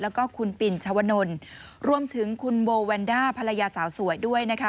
แล้วก็คุณปินชวนลรวมถึงคุณโบแวนด้าภรรยาสาวสวยด้วยนะคะ